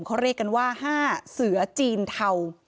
เขาเรียกกันว่า๕เสือจีนเทา